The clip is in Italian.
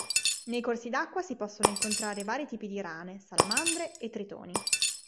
Nei corsi d'acqua si possono incontrare vari tipi di rane, salamandre e tritoni.